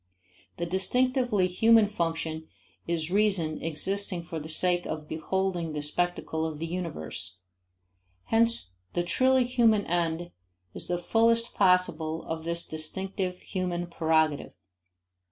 The distinctively human function is reason existing for the sake of beholding the spectacle of the universe. Hence the truly human end is the fullest possible of this distinctive human prerogative.